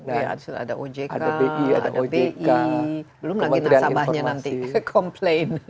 ada ojk ada bi ada bi kementerian informasi